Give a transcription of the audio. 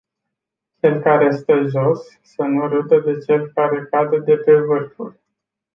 Cel care stă jos, să nu râdă de cel care cade de pe vârfuri.